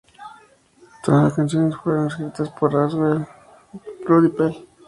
Todas las canciones fueron escritas por Axel Rudi Pell